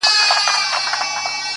سیاه پوسي ده” رنگونه نسته”